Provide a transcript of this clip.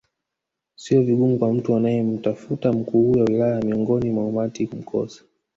Sio vigumu kwa mtu anayemtafuta mkuu huyu wa wilaya miongoni mwa umati kumkosa